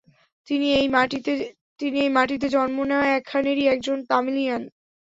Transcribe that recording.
তিনি এই মাটিতে জন্ম নেওয়া এখানেরই একজন তামিলিয়ান!